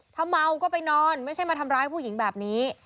ถ้าเมาก็ไปนอนไม่ใช่มาทำร้ายผู้หญิงแบบนี้